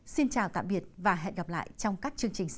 xin chào tạm biệt và hẹn gặp lại trong các chương trình sau